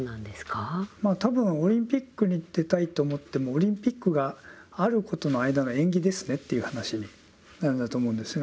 多分オリンピックに出たいと思ってもオリンピックがあることの間の縁起ですねっていう話なんだと思うんですよね。